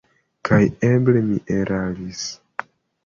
Kaj eble mi eraris!